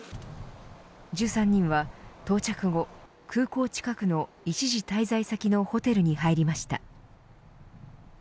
１３人は到着後、空港近くの一時滞在先のホテルに入りました。